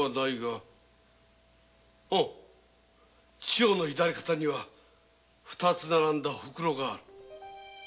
千保の左肩には二つ並んだホクロがある。